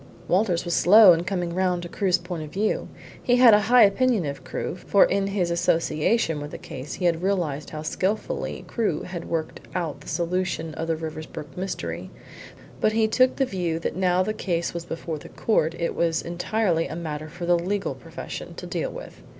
Walters was slow in coming round to Crewe's point of view. He had a high opinion of Crewe, for in his association with the case he had realised how skilfully Crewe had worked out the solution of the Riversbrook mystery. But he took the view that now the case was before the court it was entirely a matter for the legal profession to deal with.